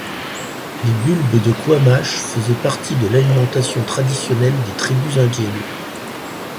Les bulbes de quamash faisaient partie de l'alimentation traditionnelle des tribus indiennes.